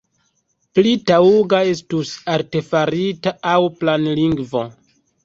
Pli taŭga estus artefarita aŭ planlingvo.